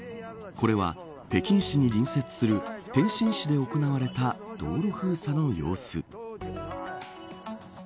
これは、北京市に隣接する天津市で行われた道路封鎖の様子。